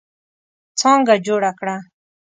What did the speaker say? څانګه جوړه کړه.